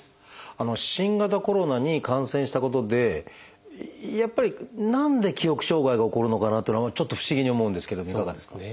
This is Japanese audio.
新型コロナに感染したことでやっぱり何で記憶障害が起こるのかなっていうのがちょっと不思議に思うんですけどもいかがですか？